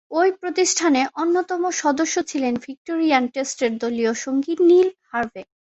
ঐ প্রতিষ্ঠানে অন্যতম সদস্য ছিলেন ভিক্টোরিয়ান টেস্টের দলীয় সঙ্গী নীল হার্ভে।